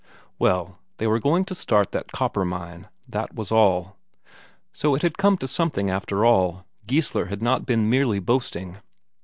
Well, they were going to start that copper mine, that was all. So it had come to something after all; Geissler had not been merely boasting.